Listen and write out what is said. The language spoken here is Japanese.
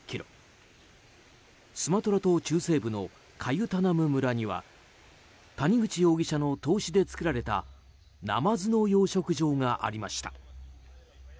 スマトラ島中西部のカユタナム村には谷口容疑者の投資で作られたナマズの養殖場がありました。